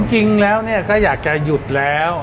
จริงแล้วก็อยากจะหยุดแล้ว